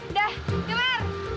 udah yuk mbak